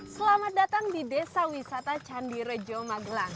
selamat datang di desa wisata candi rejo magelang